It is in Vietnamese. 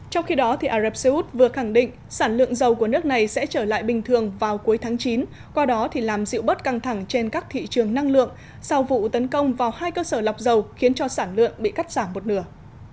trong khi đó ả rập xê út vừa khẳng định sản lượng dầu của nước này sẽ trở lại bình thường vào cuối tháng chín qua đó làm dịu bớt căng thẳng trên các thị trường năng lượng sau vụ tấn công vào hai cơ sở lọc dầu khiến cho sản lượng bị cắt giảm một nửa